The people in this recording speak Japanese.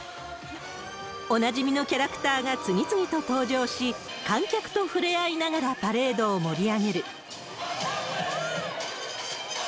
おなじみのキャラクターが次々と登場し、観客と触れ合いながらパレードを盛り上げる。